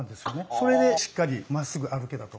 それでしっかりまっすぐ歩けたと。